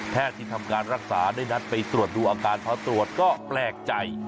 ที่ทำการรักษาได้นัดไปตรวจดูอาการพอตรวจก็แปลกใจ